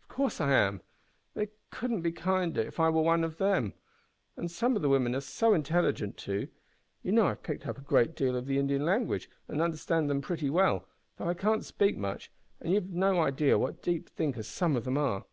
"Of course I am. They could not be kinder if I were one of themselves. And some of the women are so intelligent, too! You know I have picked up a good deal of the Indian language, and understand them pretty well, though I can't speak much, and you've no idea what deep thinkers some of them are!